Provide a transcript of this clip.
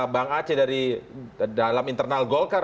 bang aceh dari dalam internal golkar